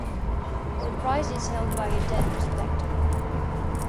The prize is held by a dead prospector.